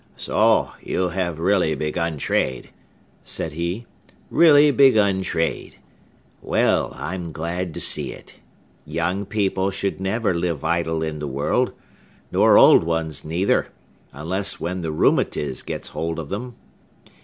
"So, you have really begun trade," said he,—"really begun trade! Well, I'm glad to see it. Young people should never live idle in the world, nor old ones neither, unless when the rheumatize gets hold of them.